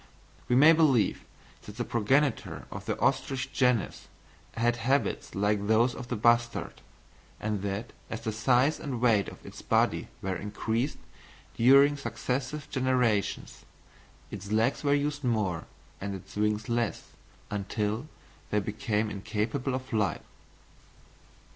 We may believe that the progenitor of the ostrich genus had habits like those of the bustard, and that, as the size and weight of its body were increased during successive generations, its legs were used more and its wings less, until they became incapable of flight.